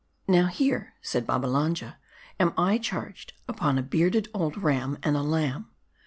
" Now here," said Babballanj'a, " am I charged upon by i^ bearded old ram, and a lamb.